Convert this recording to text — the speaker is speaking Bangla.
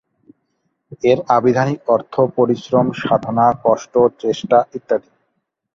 এর আভিধানিক অর্থ পরিশ্রম, সাধনা, কষ্ট, চেষ্টা ইত্যাদি।